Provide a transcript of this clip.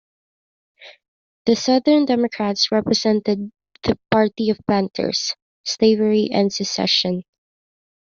The Southern Democrats represented the party of planters, slavery and secession.